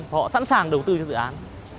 họ sẵn sàng đầu tư cho dự án